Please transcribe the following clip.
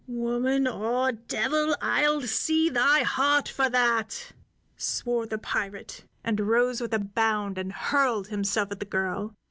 "Woman or devil, I'll see thy heart for that!" swore the pirate, and rose with a bound and hurled himself at the girl.